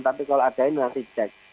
tapi kalau ada ini nanti cek